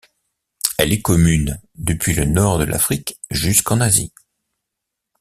Elle est commune, depuis le Nord de l'Afrique jusqu'en Asie.